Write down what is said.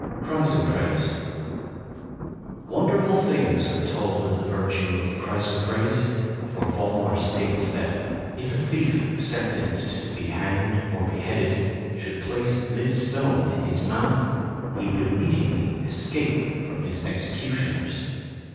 Chrysoprase Wonderful things are told of the virtue of the chrysoprase, for Volmar states that, if a thief sentenced to be hanged or beheaded should place this stone in his mouth, he would immediately escape from his executioners.